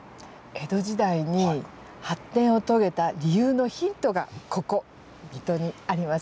江戸時代に発展を遂げた理由のヒントがここ水戸にありますのでご紹介します。